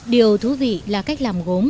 điều thú vị là cách làm gốm